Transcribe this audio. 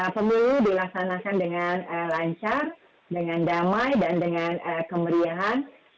pemilu dilaksanakan dengan lancar dengan damai dan dengan kemeriahan